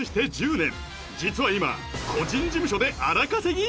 本日の実は今個人事務所で荒稼ぎ？